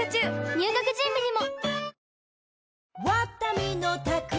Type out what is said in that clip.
入学準備にも！